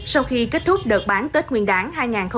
sau khi kết thúc đợt bán tết nguyên đáng hai nghìn hai mươi bốn